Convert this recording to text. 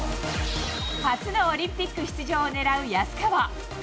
初のオリンピック出場を狙う安川。